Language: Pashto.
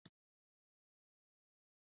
دزیرو ډکي پلوشې راوړي